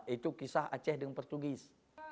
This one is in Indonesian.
itu kisah aceh dengan portugis